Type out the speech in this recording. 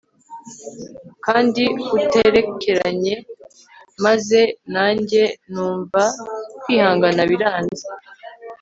kandi buterekeranye maze nanjye numva kwihangana biranze